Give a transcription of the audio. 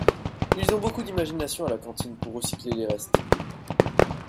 Ils ont beaucoup d'imagination à la cantine pour recycler les restes.